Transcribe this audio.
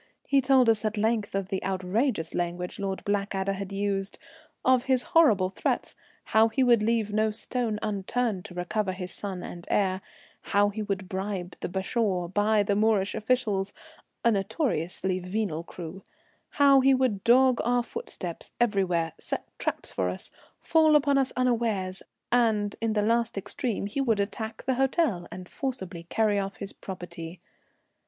He told us at length of the outrageous language Lord Blackadder had used, of his horrible threats, how he would leave no stone unturned to recover his son and heir; how he would bribe the bashaw, buy the Moorish officials, a notoriously venal crew; how he would dog our footsteps everywhere, set traps for us, fall upon us unawares; and in the last extreme he would attack the hotel and forcibly carry off his property.